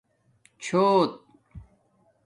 چھݸت